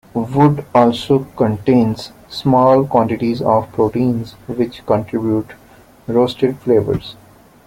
Wood also contains small quantities of proteins, which contribute roasted flavors.